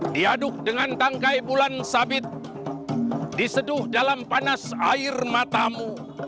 diaduk dengan tangkai bulan sabit diseduh dalam panas air matamu